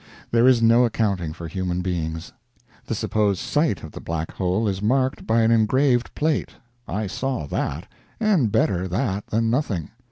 There is no accounting for human beings. The supposed site of the Black Hole is marked by an engraved plate. I saw that; and better that than nothing.